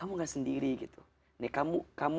kamu gak sendiri gitu nih kamu kamu